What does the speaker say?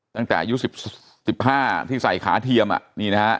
ตั้งแต่อายุ๑๕ที่ใส่ขาเทียมนี่นะฮะ